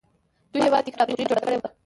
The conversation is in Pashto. دوی یوه دیکتاتوري جوړه کړې وه